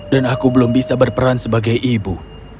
dan aku belum bisa berperan sebagai ibu